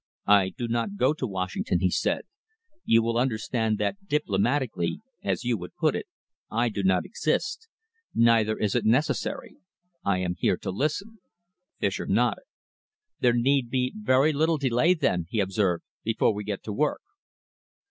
"I do not go to Washington," he said. "You will understand that diplomatically, as you would put it, I do not exist. Neither is it necessary. I am here to listen." Fischer nodded. "There need be very little delay, then," he observed, "before we get to work."